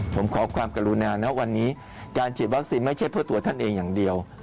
ผมขอความกรุณานะวันนี้การฉีดวัคซีนไม่ใช่เพื่อตัวท่านเองอย่างเดียว